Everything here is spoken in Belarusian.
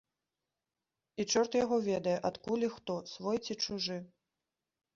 І чорт яго ведае, адкуль і хто, свой ці чужы.